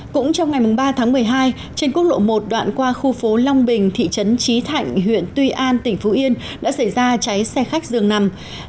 cũng trong ngày ba tháng một mươi hai trên quốc lộ một đoạn qua khu phố long bình thị trấn trí thạnh huyện tuy an tỉnh phú yên đã xảy ra cháy xe khách dường nằm